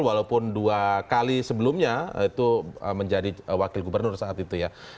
walaupun dua kali sebelumnya itu menjadi wakil gubernur saat itu ya